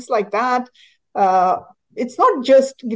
karena ada yang mengikuti apa yang terjadi